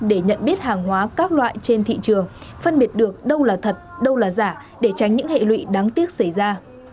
để nhận biết hàng hóa các loại trên thị trường phân biệt được đâu là thật đâu là giả để tránh những hệ lụy đáng tiếc xảy ra